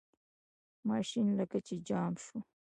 ماشین لکه چې جام شو.